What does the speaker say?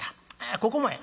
ここもやがな」。